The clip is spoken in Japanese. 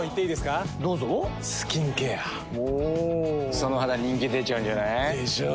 その肌人気出ちゃうんじゃない？でしょう。